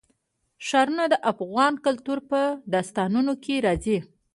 ښارونه د افغان کلتور په داستانونو کې راځي.